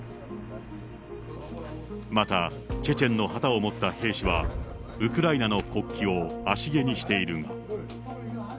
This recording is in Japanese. また、チェチェンの旗を持った兵士は、ウクライナの国旗をあしげにしているが。